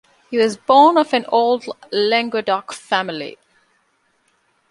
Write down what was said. He was born of an old Languedoc family.